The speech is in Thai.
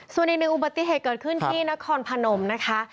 สวัสดีอุบัติเหตุเกิดขึ้นที่นครพนมนะคะ